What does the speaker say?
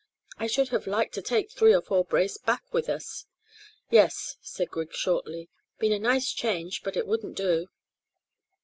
I should have liked to take three or four brace back with us." "Yes," said Griggs shortly. "Been a nice change; but it wouldn't do."